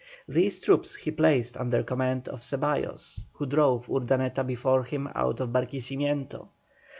These troops he placed under command of Ceballos, who drove Urdaneta before him out of Barquisimeto.